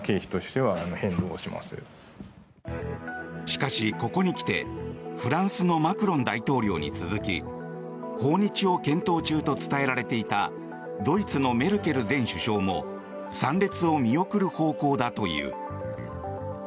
しかし、ここに来てフランスのマクロン大統領に続き訪日を検討中と伝えられていたドイツのメルケル前首相も参列を見送る方向だという。